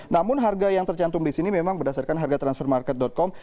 namun harga yang tercantum di sini memang berdasarkan harga transfermarket com